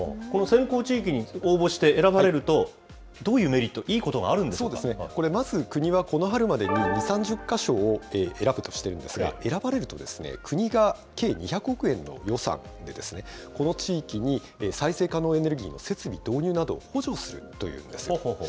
この先行地域に応募して選ばれると、どういうメリット、いいこれ、まず国は、この春までに２、３０か所を選ぶとしているんですが、選ばれるとですね、国が計２００億円の予算で、この地域に再生可能エネルギーの設備導入などを補助するというんです。